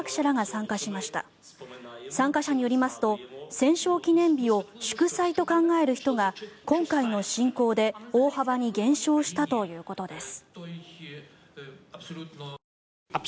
参加者によりますと戦勝記念日を祝祭と考える人が今回の侵攻で大幅に減少したということです。